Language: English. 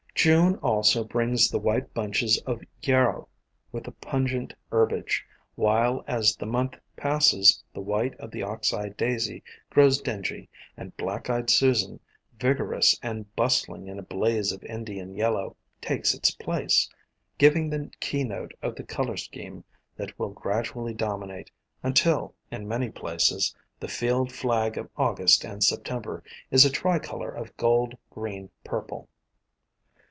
June also brings the white bunches of Yarrow with the pungent herbage, while as the month passes the white of the Ox eye Daisy grows dingy, and Black eyed Susan, vigorous and bus tling in a blaze of Indian yellow, takes its place, giving the keynote of the color scheme that will gradually dominate, until, in many places, the field flag of August and September is a tricolor of gold green purple.